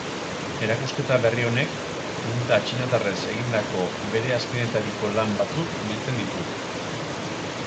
Erakusketa berri honek, tinta txinatarrez egindako bere azkenetariko lan batzuk biltzen ditu.